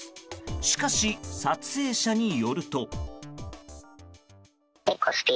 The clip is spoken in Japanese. しかし、撮影者によると。